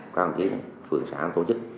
các phường xã tổ chức